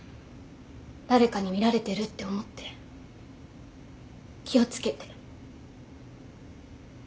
誰かに見られてるって思って気を付けて。